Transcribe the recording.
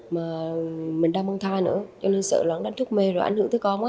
mà mình đang băng thai nữa cho nên sợ lo lắng đánh trúc mê rồi ảnh hưởng tới con quá